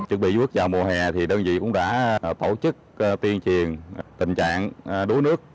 trước bị vứt vào mùa hè thì đơn vị cũng đã tổ chức tuyên truyền tình trạng đuối nước